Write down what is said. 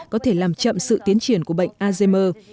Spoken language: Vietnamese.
có thể làm chậm sự tiến triển của bệnh alzheimer